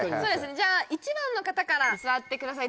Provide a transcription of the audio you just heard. じゃあ１番の方から座ってください